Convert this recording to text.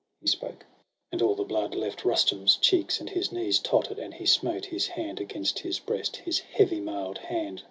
He spoke; and all the blood left Rustum's cheeks, And his knees totter'd, and he smote his hand Against his breast, his heavy mailed hand.